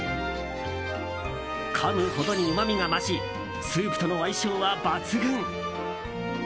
かむほどにうまみが増しスープとの相性は抜群。